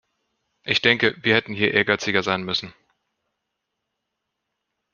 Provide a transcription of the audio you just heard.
Ich denke, wir hätten hier ehrgeiziger sein müssen.